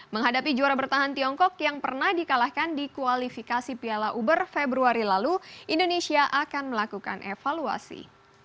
menghadapi juara bertahan tiongkok yang pernah dikalahkan di kualifikasi piala uber februari lalu indonesia akan melakukan evaluasi